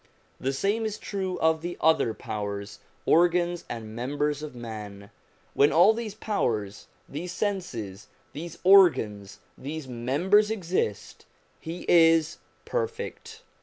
The same is true of the other powers, organs and members of man ; when all these powers, these senses, these organs, these members exist, he is perfect.